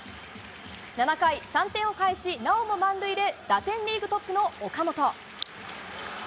７回、３点を返しなおも満塁で打点リーグトップの岡本。